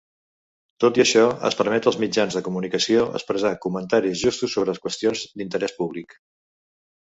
Tot i això, es permet als mitjans de comunicació expressar "comentaris justos sobre qüestions d'interès públic".